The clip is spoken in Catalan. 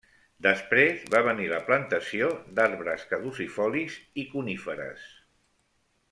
Després va venir la plantació d'arbres caducifolis i coníferes.